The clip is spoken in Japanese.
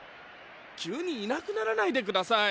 急にいなくならないでください！